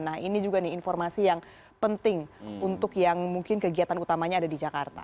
nah ini juga nih informasi yang penting untuk yang mungkin kegiatan utamanya ada di jakarta